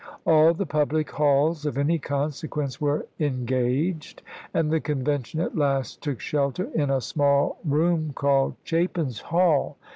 All the public halls of any consequence were en gaged, and the Convention at last took shelter in a small room called " Chapin's Hall."